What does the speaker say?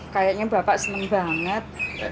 kayaknya bapak senang banget